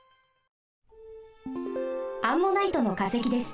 アンモナイトのかせきです。